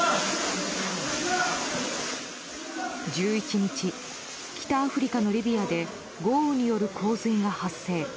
１１日、北アフリカのリビアで豪雨による洪水が発生。